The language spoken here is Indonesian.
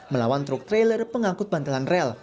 melawan truk trailer pengangkut bantalan rel